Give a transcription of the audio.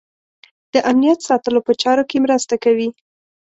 د امنیت ساتلو په چارو کې مرسته کوي.